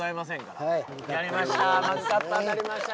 やりました。